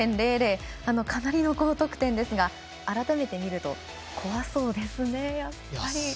かなりの高得点ですが改めて見ると怖そうですね、やっぱり。